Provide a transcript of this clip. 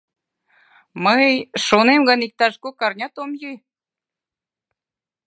Мый, шонем гын, иктаж кок арнят ом йӱ...